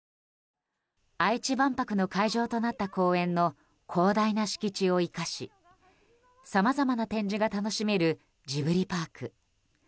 愛知万博の会場となった公園の広大な敷地を生かしさまざまな展示が楽しめるジブリパーク。